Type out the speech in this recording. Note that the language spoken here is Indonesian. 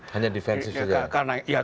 hanya defensif saja